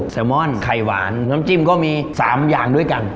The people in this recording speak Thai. แซลมอนไข่หวานน้ำจิ้มก็มี๓อย่างด้วยกัน